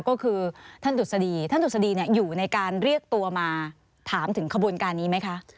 ก็คือท่านดุษฎีท่านดุษฎีอยู่ในการเรียกตัวมาถามถึงขบวนการนี้ไหมคะ